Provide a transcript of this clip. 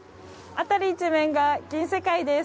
辺り一面が銀世界です。